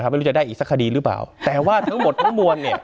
ไม่รู้จะได้อีกสักคดีหรือเปล่าแต่ว่าทั้งหมดทั้งมวลเนี่ย